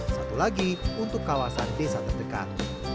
satu lagi untuk kawasan desa terdekat